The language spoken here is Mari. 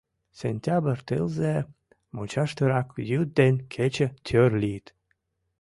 Сентябрь тылзе мучаштырак йӱд ден кече тӧр лийыт.